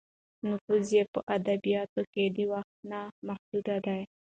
نفوذ یې په ادبیاتو کې د وخت نه محدود و.